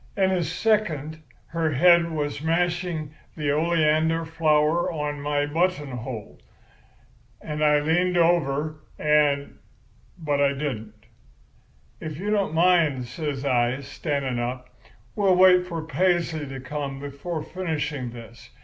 In a second her head was mashing the oleander flower in my button hole, and I leaned over and—but I didn't. "'If you don't mind,' says I, standing up, 'we'll wait for Paisley to come before finishing this.